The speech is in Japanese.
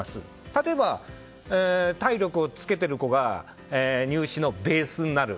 例えば、体力をつけている子が入試のベースになる。